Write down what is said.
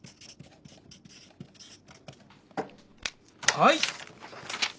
はい。